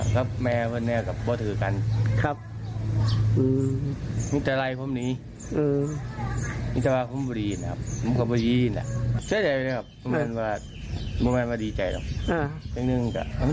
ใช่แด้เลยครับมันแบบว่าดีใจแล้ว